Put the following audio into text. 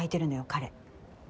彼。